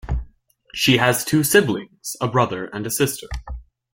She has two siblings, a brother and a sister.